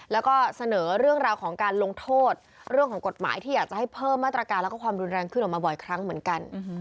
แล้วก็เสนอเรื่องราวของการลงโทษเรื่องของกฎหมายที่อยากจะให้เพิ่มมาตรการแล้วก็ความรุนแรงขึ้นออกมาบ่อยครั้งเหมือนกัน